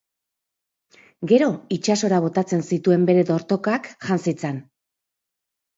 Gero itsasora botatzen zituen bere dortokak jan zitzan.